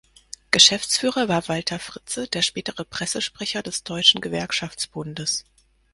Geschäftsführer war Walter Fritze, der spätere Pressesprecher des Deutschen Gewerkschaftsbundes.